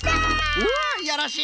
うわよろしい！